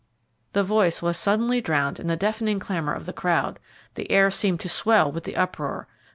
The voice was suddenly drowned in the deafening clamour of the crowd, the air seemed to swell with the uproar.